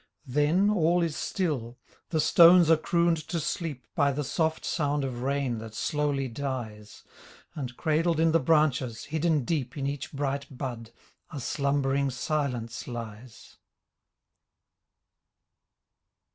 Then all is still. The stones are crooned to sleep By the soft sound of rain that slowly dies ; And cradled in the branches, hidden deep In each bright bud, a slumbering silence lies.